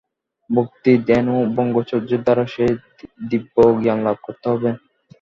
ভক্তি, ধ্যান ও ব্রহ্মচর্যের দ্বারা সেই দিব্যজ্ঞানলাভ করতে হবে।